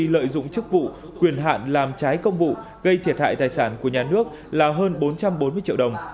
lợi dụng chức vụ quyền hạn làm trái công vụ gây thiệt hại tài sản của nhà nước là hơn bốn trăm bốn mươi triệu đồng